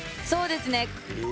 そうですね。